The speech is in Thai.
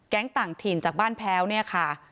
ต่างถิ่นจากบ้านแพ้วเนี่ยค่ะ